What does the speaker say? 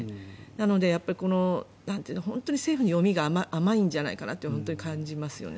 なので、本当に政府の読みが甘いんじゃないかと感じますね。